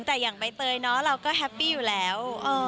แต่อย่างใบเตยเนาะเราก็แฮปปี้อยู่แล้ว